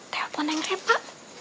telepon neng repa